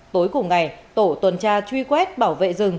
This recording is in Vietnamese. tối cùng ngày tổ tuần tra truy quét bảo vệ rừng